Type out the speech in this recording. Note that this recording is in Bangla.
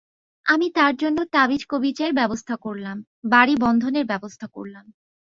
আমি তার জন্য তাবিজকবীচের ব্যবস্থা করলাম, বাড়ি-বন্ধনের ব্যবস্থা করলাম!